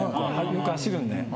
よく走るので。